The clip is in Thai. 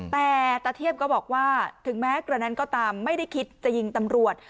แต่ตะเทียบก็บอกว่าถึงแม้กระนั้นก็ตามไม่ได้คิดจะยิงตำรวจ